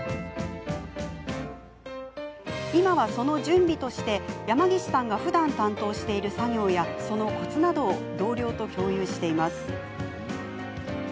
今はその準備として山岸さんがふだん担当している作業やそのコツなどを同僚と共有しています。